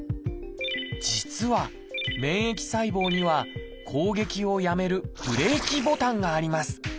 実は免疫細胞には攻撃をやめるブレーキボタンがあります。